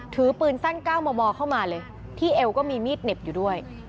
ถือปืนสั้น๙มมเข้ามาเลยที่เอวก็มีมีดเหน็บอยู่ด้วย